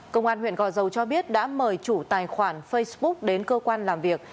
công an huyện gò dầu cho biết đã mời chủ tài khoản facebook đến cơ quan làm việc